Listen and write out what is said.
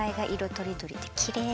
とりどりできれい。